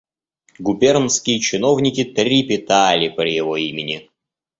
Губернские чиновники трепетали при его имени.